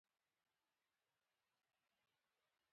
دلته پش ، نايي ، ترکاڼ او ډم ته د کال غنم ورکول کېږي